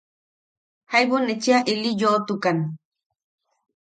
Jaibu ne cheʼa ili yoʼotukan;.